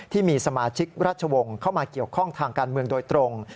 ที่มีสมาชิกราชวงศ์เข้ามาเกี่ยวข้องทางการเมืองโดยตรง